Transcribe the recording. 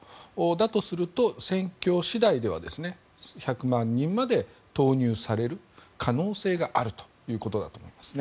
だとすると戦況次第では１００万人まで投入される可能性があるということだと思います。